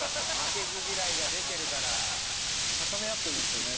高め合ってるんですよね